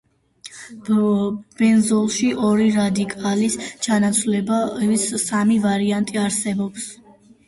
ბენზოლში ორი რადიკალის ჩანაცვლების სამი ვარიანტი არსებობს.